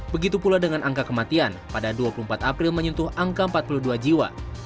begitu pula dengan angka kematian pada dua puluh empat april menyentuh angka empat puluh dua jiwa